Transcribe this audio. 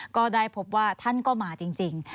ก็ได้พบว่าท่านก็มาจริง